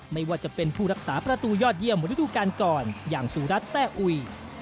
ไม่ว่าจะเป็นผู้รักษาประตูยอดเยี่ยมเหมือนฤดูการก่อนอย่างสุรัตนแซ่อุย